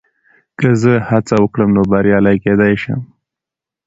که زه هڅه وکړم، نو بریالی کېدای شم.